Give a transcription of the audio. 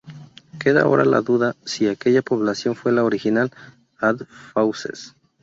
Queda ahora la duda, si aquella población fue la original "Ad fauces".